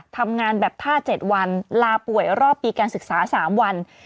ทำงานแบบท่า๗วันลาป่วยรอบปีการศึกษา๓วัน